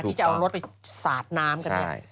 ที่จะเอารถไปสาดน้ำกันเนี่ย